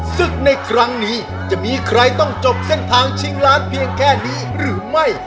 ศึกในครั้งนี้จะมีใครต้องจบเส้นทางชิงล้านเพียงแค่นี้หรือไม่